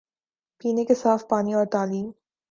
پینے کے صاف پانی اور تعلیم